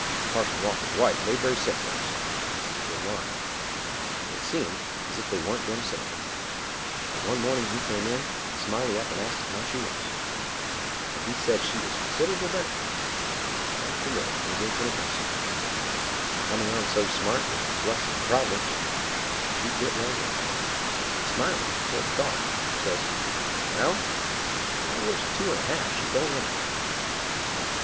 Parson Walker's wife laid very sick once, for a good while, and it seemed as if they warn't going to save her; but one morning he come in, and Smiley up and asked him how she was, and he said she was considerable better—thank the Lord for his inf'nit' mercy—and coming on so smart that with the blessing of Prov'dence she'd get well yet; and Smiley, before he thought, says, 'Well, I'll risk two and a half she don't anyway.